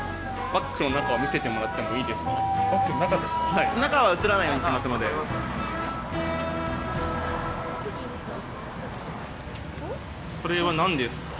バッグの中、見せてもらってバッグの中ですか？